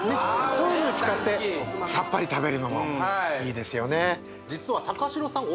そういうのに使ってさっぱり食べるのもいいですよね